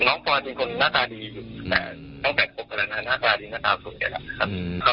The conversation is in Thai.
น้องปอยเป็นคนหน้าตาดีอยู่แต่ตั้งแต่ครบอะไรนะหน้าตาดีหน้าตาสุดเดียวนะครับ